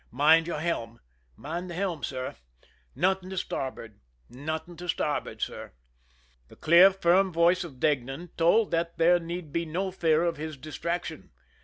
"Mind your helm !"" Mind the helm, sir." " Nothing to star board?" "Nothing to starboard, sir." The clear, firm voice of Deignan told that there need be no fear of his distraction.